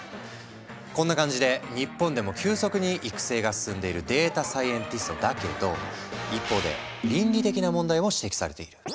こんな感じで日本でも急速に育成が進んでいるデータサイエンティストだけど一方で倫理的な問題も指摘されている。